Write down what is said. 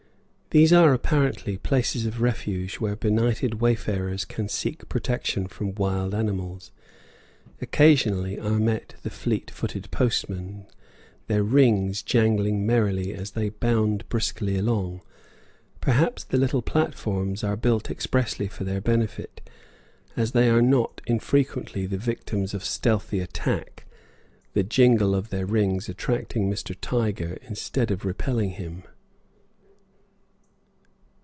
These are apparently places of refuge where benighted wayfarers can seek protection from wild animals. Occasionally are met the fleet footed postmen, their rings jangling merrily as they bound briskly along; perhaps the little platforms are built expressly for their benefit, as they are not infrequently the victims of stealthy attack, the jingle of their rings attracting Mr. Tiger instead of repelling him.